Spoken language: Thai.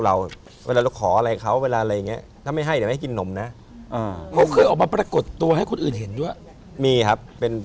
แล้วก็แบบขึ้นไปข้อมูลแล้วก็ตกตึ๊ก